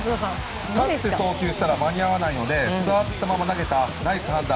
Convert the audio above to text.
立って送球したら間に合わないので座ったまま投げたナイス判断。